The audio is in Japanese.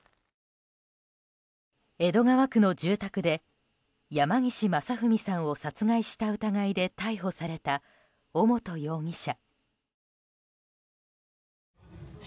江戸川区の住宅で山岸正文さんを殺害した疑いで逮捕された尾本容疑者。